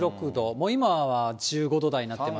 もう今は１５度台になっています。